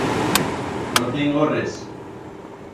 No tiengo res.